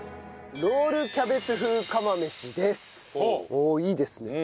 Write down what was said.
おおいいですね。